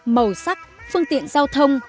màu sắc phương tiện giao thông